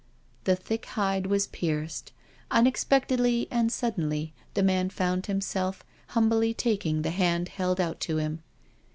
The thick hide was pierced. Unexpectedly and sud denly the man found himself humbly taking the hand held out to him.